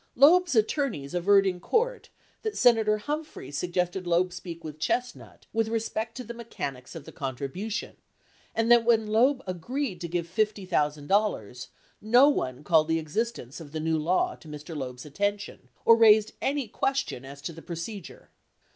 Loeb's attorneys averred in court that Senator Humphrey sug gested Loeb speak with Chestnut "with respect to the mechanics of the contribution," and that when Loeb agreed to give $50,000 "[n]o one called the existence of [the new law] to Mr. Loeb's atten tion or raised any question as to the procedure."